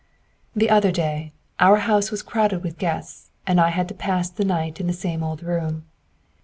The other day, our house was crowded with guests, and I had to pass the night in the same old room.